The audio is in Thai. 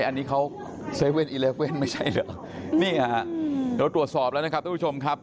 อันนี้เขา๗๑๑ไม่ใช่เหรอนี่ฮะเราตรวจสอบแล้วนะครับทุกผู้ชมครับ